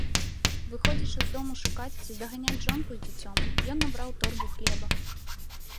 Выходзячы з дому шукаць ці даганяць жонку з дзіцем, ён набраў торбу хлеба.